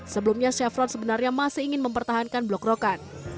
sebelumnya chevron sebenarnya masih ingin mempertahankan blok rokan